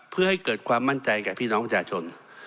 เพื่อให้เกิดความมั่นใจกับพี่น้องประชาชน